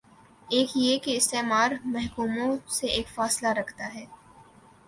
ایک یہ کہ استعمار محکوموں سے ایک فاصلہ رکھتا ہے۔